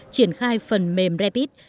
triển khai phần mềm rapid